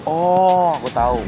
oh aku tau